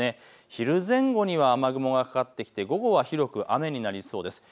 昼前後には雨雲がかかってきて午後は広く雨になりそうです。